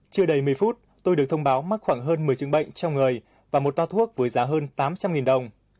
chưa đầy một mươi phút tôi được thông báo mắc khoảng hơn một mươi chứng bệnh trong người và một toa thuốc với giá hơn tám trăm linh đồng